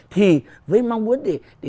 thì với mong muốn